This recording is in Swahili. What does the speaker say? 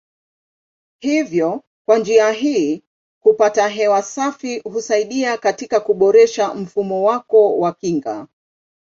Hivyo kwa njia hii kupata hewa safi husaidia katika kuboresha mfumo wako wa kinga.